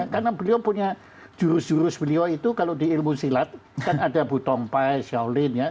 karena beliau punya jurus jurus beliau itu kalau di ilmu silat kan ada butong pai shaolin